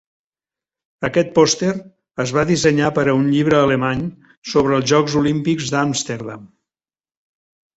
Aquest pòster es va dissenyar per a un llibre alemany sobre els Jocs Olímpics d'Amsterdam.